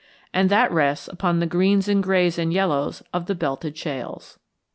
And that rests upon the greens and grays and yellows of the Belted Shales.